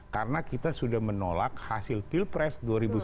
karena kita sudah menolak hasil pilpres dua ribu sembilan belas